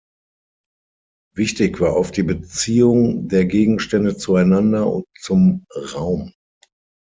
Wichtig war oft die Beziehung der Gegenstände zueinander und zum Raum.